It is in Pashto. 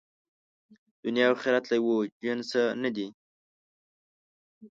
دنیا او آخرت له یوه جنسه نه دي.